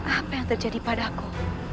apa yang terjadi padaku